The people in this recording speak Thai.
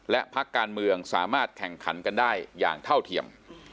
และพักการเมืองสามารถแข่งขันกันได้อย่างเท่าเทียม